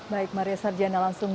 baik maria sarjana langsung